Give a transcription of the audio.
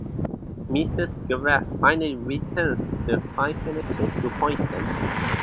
Mrs. Gereth finally returns the fine furniture to Poynton.